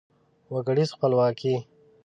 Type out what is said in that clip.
وګړیزه خپلواکي